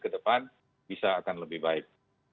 ke depan bisa akan lebih baik